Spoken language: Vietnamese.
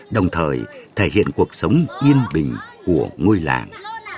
đồng thời thể hiện cuộc sống yên bình của ngôi làng